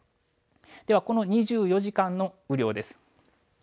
では、この２４時間の雨量です。